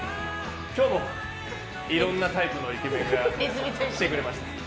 今日もいろんなタイプのイケメンが来てくれました。